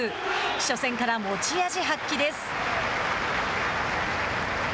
初戦から持ち味発揮です。